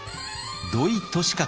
土井利勝